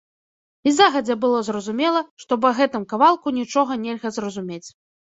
І загадзя было зразумела, што па гэтым кавалку нічога нельга зразумець.